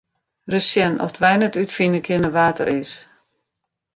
Ris sjen oft wy net útfine kinne wa't er is.